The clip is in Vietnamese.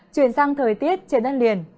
chuyển sang thời tiết trên đất liền